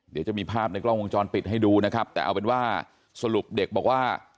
เดี๋ยวจะมีภาพในกล้องวงจรปิดให้ดูนะครับแต่เอาเป็นว่าสรุปเด็กบอกว่า